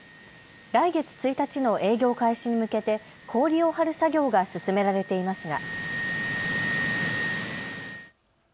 来月１日の営業開始に向けて氷を張る作業が進められていますが。